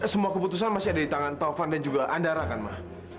semua keputusan masih ada di tangan tovan dan juga andara kan ma